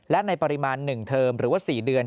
และในปริมาณ๑เทอมหรือว่า๔เดือน